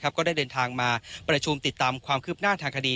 ก็ได้เดินทางมาประชุมติดตามความคืบหน้าทางคดี